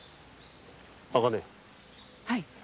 はい。